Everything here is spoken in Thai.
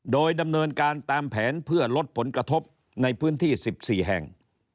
โดยดำเนินการตามแผนเพื่อลดผลกระทบในพื้นที่๑๔แห่ง